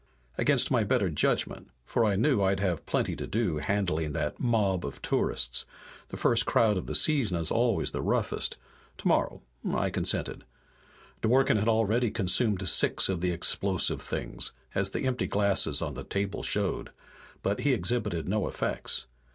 Against my better judgment, for I knew I'd have plenty to do handling that mob of tourists the first crowd of the season is always the roughest tomorrow, I consented. Dworken had already consumed six of the explosive things, as the empty glasses on the table showed, but he exhibited no effects.